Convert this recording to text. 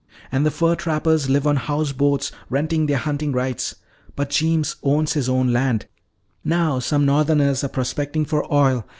"And the fur trappers live on house boats, renting their hunting rights. But Jeems owns his own land. Now some northerners are prospecting for oil.